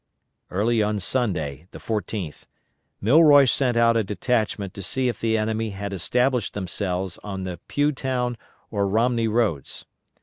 Early on Sunday, the 14th, Milroy sent out a detachment to see if the enemy had established themselves on the Pughtown or Romney roads.